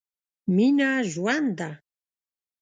مينه ژوند ده.